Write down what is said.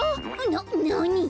ななに？